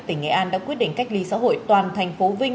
tỉnh nghệ an đã quyết định cách ly xã hội toàn thành phố vinh